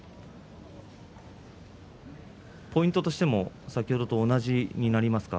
ポイントとしても先ほどと同じになりますか。